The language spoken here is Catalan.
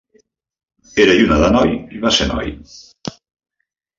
Era lluna de noi, i va ser noi.